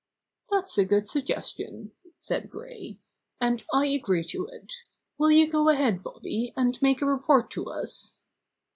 "That's a good suggestion," said Gray, "and I agree to it. Will you go ahead, Bobby, and make a report to us?"